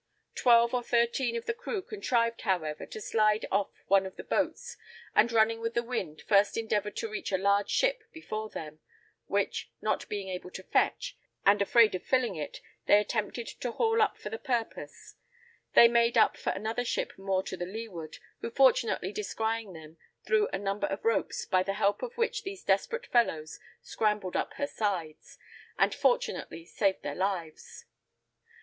Twelve or thirteen of the crew contrived, however, to slide off one of the boats, and running with the wind, first endeavored to reach a large ship before them, which, not being able to fetch, and afraid of filling if they attempted to haul up for the purpose, they made up for another ship more to the leeward, who fortunately descrying them, threw a number of ropes, by the help of which these desperate fellows scrambled up her sides, and fortunately saved their lives.